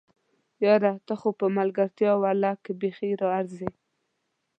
یاره! ته خو په ملګرتيا ولله که بیخي ارځې!